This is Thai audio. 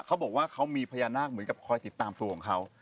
เขาบอกว่าเขามีพญานาคเหมือนกับคอยติดตามตัวของเขา